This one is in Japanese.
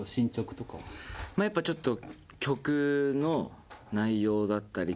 まあやっぱちょっと。